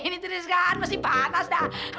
ini terus kan pasti patah dah